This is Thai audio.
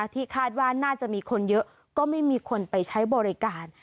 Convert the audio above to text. ที่คาดว่าน่าจะมีคนเยอะก็ไม่มีคนไปใช้บริการ